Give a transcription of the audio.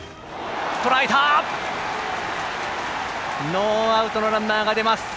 ノーアウトのランナーが出ます。